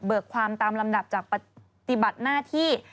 ความตามลำดับจากปฏิบัติหน้าที่